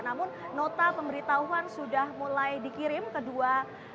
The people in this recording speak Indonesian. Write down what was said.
namun nota pemberitahuan sudah mulai dikirim ke dua